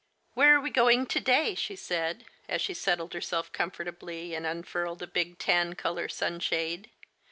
•* Where are we going to day ?'* she said, as she settled herself comfortably, and unfurled a big tan color sunshade.